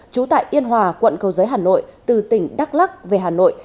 trú tại yên hòa quận cầu giấy hà nội từ tỉnh đắk lắc về hà nội